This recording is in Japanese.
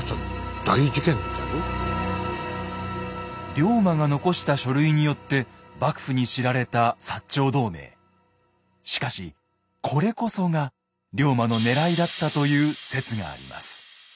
龍馬が残した書類によってしかしこれこそが龍馬のねらいだったという説があります。